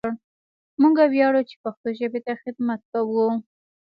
موږ وياړو چې پښتو ژبې ته خدمت کوو!